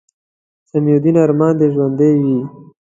سمیع الدین ارمان دې ژوندے وي